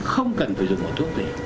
không cần phải dùng một thuốc gì